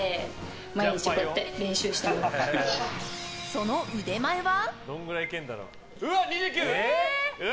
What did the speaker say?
その腕前は。